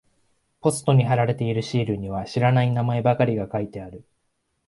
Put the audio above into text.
ポストに貼られているシールには知らない名前ばかりが書いてある。